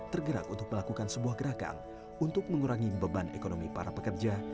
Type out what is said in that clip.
tergerak untuk melakukan sebuah gerakan untuk mengurangi beban ekonomi para pekerja